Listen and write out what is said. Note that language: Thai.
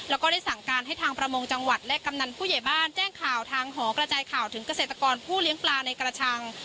แล้วก็ได้สั่งการให้ทางประมงจังหวัดและกำนันผู้ใหญ่บ้านแจ้งข่าวทางหอกระจายข่าวถึงเกษตรกรผู้เลี้ยงปลาในกระชัง